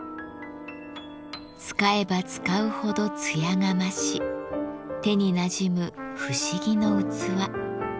使えば使うほど艶が増し手になじむ不思議の器。